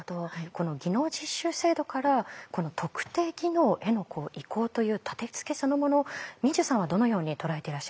この技能実習制度から特定技能への移行という立てつけそのもの毛受さんはどのように捉えていらっしゃいますか？